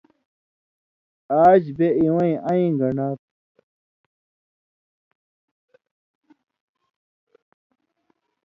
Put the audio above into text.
آژ بےۡ اِوَیں اَیں گن٘ڈا تھہ؛